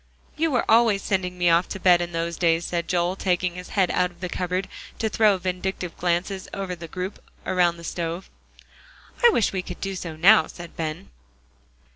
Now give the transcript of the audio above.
"You were always sending me off to bed in those days," said Joel, taking his head out of the cupboard to throw vindictive glances over to the group around the stove. "I wish we could do so now," said Ben.